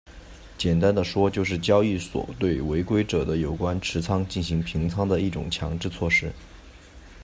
简单地说就是交易所对违规者的有关持仓实行平仓的一种强制措施。